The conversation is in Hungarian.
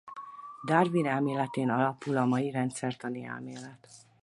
Darwin elméletén alapul a mai rendszertani elmélet.